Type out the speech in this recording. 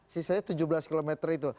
sisanya tujuh belas km itu